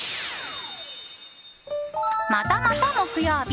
またまた木曜日。